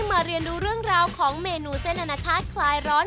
มาเรียนดูเรื่องราวของเมนูเส้นอนาชาติคลายร้อน